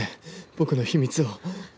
僕の秘密を。